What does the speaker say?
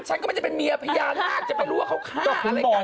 ฉันก็ไม่ได้เป็นเมียพญานาคจะไปรู้ว่าเขาฆ่าอะไรกัน